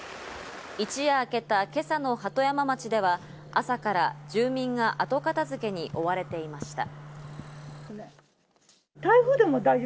一夜明けた今朝の鳩山町では朝から住民が後片付けに追われていました。